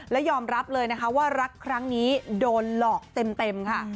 และยอมรับเลยนะคะว่ารักครั้งนี้โดนหลอกเต็มค่ะ